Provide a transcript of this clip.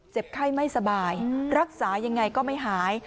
ไข้ไม่สบายรักษายังไงก็ไม่หาย